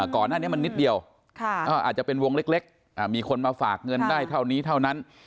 ก่อนหน้านี้มันนิดเดียวอาจจะเป็นวงเล็กมีคนมาฝากเงินได้เท่านี้เท่านั้น